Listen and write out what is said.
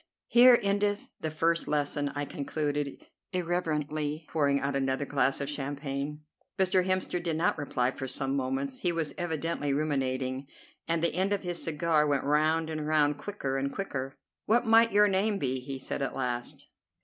'Here endeth the first lesson,'" I concluded irreverently, pouring out another glass of champagne. Mr. Hemster did not reply for some moments. He was evidently ruminating, and the end of his cigar went round and round quicker and quicker. "What might your name be?" he said at last.